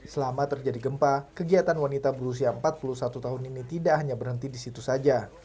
selama terjadi gempa kegiatan wanita berusia empat puluh satu tahun ini tidak hanya berhenti di situ saja